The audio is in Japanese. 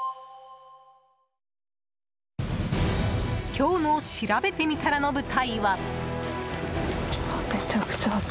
今日のしらべてみたらの舞台は。